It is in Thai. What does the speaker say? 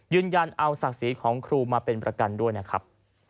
ยืนยันเอาศักดิ์ศรีของครูมาเป็นประกันด้วยนะครับ